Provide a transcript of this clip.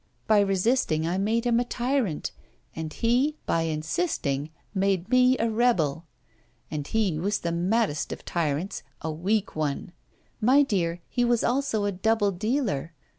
By resisting, I made him a tyrant; and he, by insisting, made me a rebel. And he was the maddest of tyrants a weak one. My dear, he was also a double dealer.